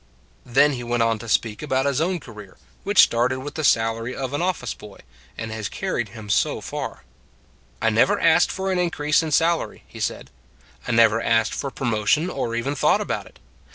Then he went on to speak about his own career, which started with the salary of Medium Sized Men 147 an office boy and has carried him so far. " I never asked for an increase in sal ary," he said; " I never asked for promo tion or even thought about it.